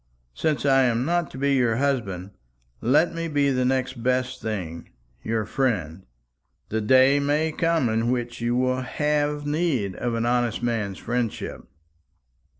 Since I am not to be your husband, let me be the next best thing your friend. The day may come in which you will have need of an honest man's friendship."